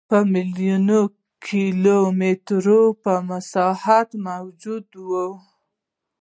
په میلیونونو کیلومترو په مساحت موجود و.